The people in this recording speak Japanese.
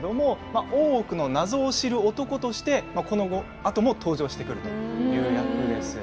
大奥の謎を知る男としてこのあとも登場してきます。